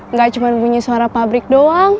nggak cuma bunyi suara pabrik doang